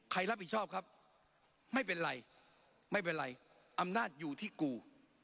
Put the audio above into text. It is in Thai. ใครรับผิดชอบครับไม่เป็นไรไม่เป็นไรอำนาจอยู่ที่กู